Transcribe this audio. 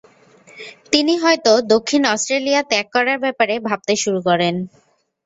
তিনি হয়তো দক্ষিণ অস্ট্রেলিয়া ত্যাগ করার ব্যাপারে ভাবতে শুরু করেন।